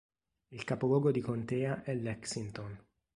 Il capoluogo di contea è Lexington.